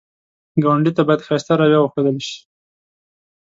ګاونډي ته باید ښایسته رویه وښودل شي